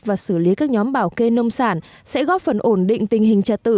và xử lý các nhóm bảo kê nông sản sẽ góp phần ổn định tình hình trật tự